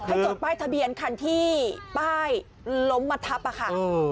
เธอจดป้ายทะเบียนที่ป้ายล้มมัดทับค่ะ